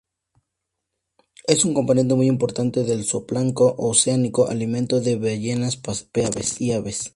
Es un componente muy importante del zooplancton oceánico, alimento de ballenas, peces y aves.